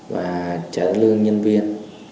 và trả lương nhân viên